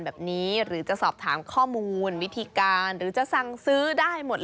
แบบนี้หรือจะสอบถามข้อมูลวิธีการหรือจะสั่งซื้อได้หมดเลย